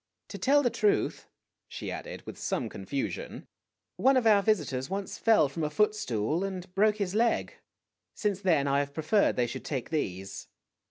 To tell the truth," she added, with some confusion, "one of our visitors once fell from a foot stool, and broke his leg. Since then I have preferred they should take these."